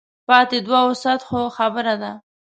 پاتې دوو سطحو خبره ده.